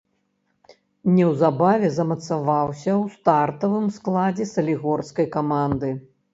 Неўзабаве замацаваўся ў стартавым складзе салігорскай каманды.